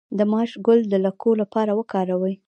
د ماش ګل د لکو لپاره وکاروئ